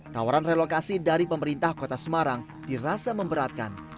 tawaran relokasi dari pemerintah kota semarang dirasa memberatkan